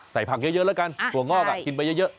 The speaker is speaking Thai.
ผักเยอะแล้วกันถั่วงอกกินไปเยอะ